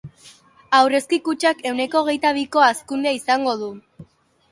Aurrezki Kutxak ehuneko hogeita biko hazkundea izango du.